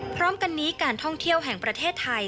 พร้อมกันนี้การท่องเที่ยวแห่งประเทศไทย